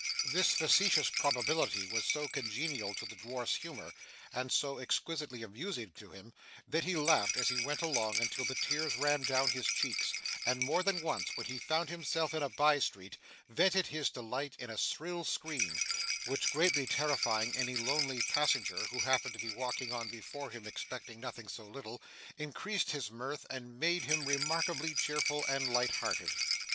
This facetious probability was so congenial to the dwarf's humour, and so exquisitely amusing to him, that he laughed as he went along until the tears ran down his cheeks; and more than once, when he found himself in a bye street, vented his delight in a shrill scream, which greatly terrifying any lonely passenger, who happened to be walking on before him expecting nothing so little, increased his mirth, and made him remarkably cheerful and light hearted.